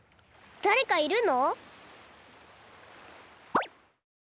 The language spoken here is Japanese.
だれかいるの？